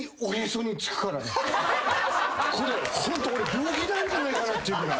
これホント病気なんじゃないかなってぐらい。